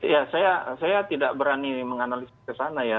ya saya tidak berani menganalisis ke sana ya